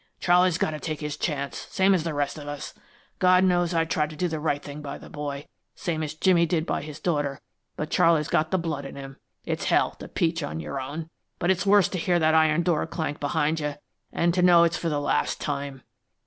Charley's got to take his chance, same as the rest of us. God knows I tried to do the right thing by the boy, same as Jimmy did by his daughter, but Charley's got the blood in him. It's hell to peach on your own, but it's worse to hear that iron door clank behind you, and to know it's for the last time!